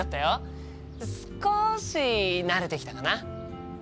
少し慣れてきたかな。